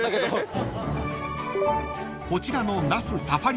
［こちらの］